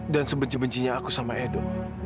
dan sebenci bencinya aku sama edo